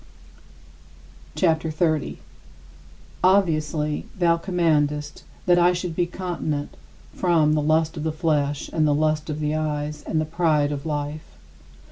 CHAPTER XXX 41. Obviously thou commandest that I should be continent from "the lust of the flesh, and the lust of the eyes, and the pride of life."